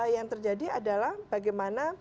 yang terjadi adalah bagaimana